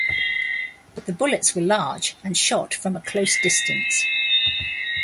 The bullets were large and shot from a close distance.